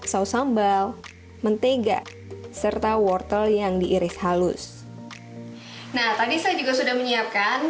saus sambal mentega serta wortel yang diiris halus nah tadi saya juga sudah menyiapkan